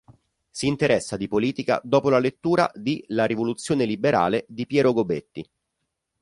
Si interessa di politica dopo la lettura di "La Rivoluzione liberale" di Piero Gobetti.